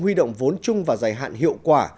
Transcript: huy động vốn chung và giải hạn hiệu quả